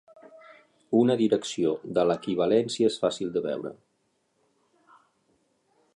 Una direcció de l'equivalència és fàcil de veure.